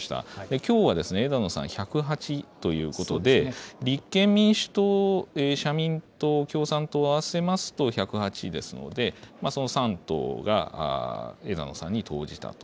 きょうは枝野さん１０８ということで、立憲民主党、社民党、共産党合わせますと１０８ですので、その３党が枝野さんに投じたと。